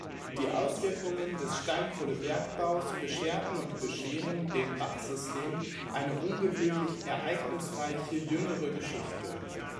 Die Auswirkungen des Steinkohlenbergbaus bescherten und bescheren dem Bachsystem eine ungewöhnlich ereignisreiche jüngere Geschichte.